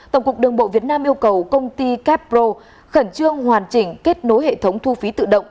tổng cục đường bộ việt nam yêu cầu công ty capro khẩn trương hoàn chỉnh kết nối hệ thống thu phí tự động